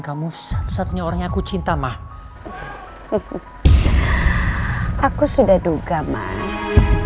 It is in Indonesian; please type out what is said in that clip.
kamu satu satunya orang yang aku cinta mas aku sudah duga mas